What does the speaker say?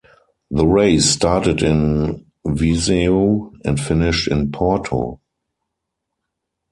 The race started in Viseu and finished in Porto.